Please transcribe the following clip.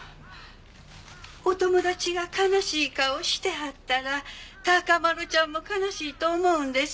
お友達が悲しい顔してはったら孝麿ちゃんも悲しいと思うんです。